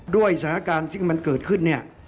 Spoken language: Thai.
ด้วยสถานการณ์ที่มันเกิดขึ้น